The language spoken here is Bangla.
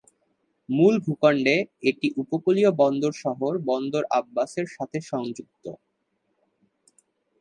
মূল ভূখণ্ডে এটি উপকূলীয় বন্দর শহর বন্দর আব্বাসের সাথে সংযুক্ত।